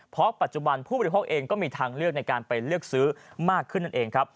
เพราะปัจจุบันผู้บริโภคเองก็มีทางเลือกในการไปเลือกซื้อมากขึ้นนั่นเองครับ